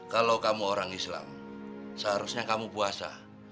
kalau kamu orang islam seharusnya kamu puasa